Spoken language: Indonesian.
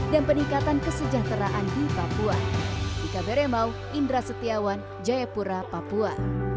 dan peningkatan kesejahteraan di papua